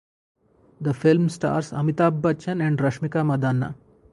The film stars Amitabh Bachchan and Rashmika Mandanna.